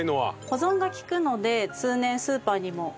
保存が利くので通年スーパーにもあります。